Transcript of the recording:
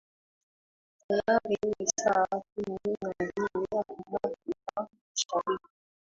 tayari ni saa kumi na mbili hapa afrika mashariki